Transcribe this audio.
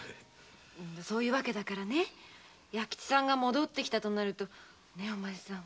そういう訳だから弥吉さんが戻ったとなるとねぇお前さん。